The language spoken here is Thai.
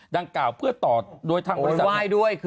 ดังกล่าวเพื่อตอบโอ๊ยว่ายด้วย